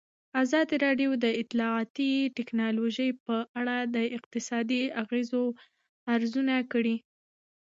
ازادي راډیو د اطلاعاتی تکنالوژي په اړه د اقتصادي اغېزو ارزونه کړې.